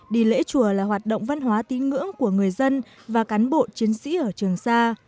đi lễ chùa là hoạt động văn hóa tín ngưỡng của người dân và cán bộ chiến sĩ ở trường sa